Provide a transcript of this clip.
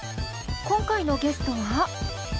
今回のゲストは。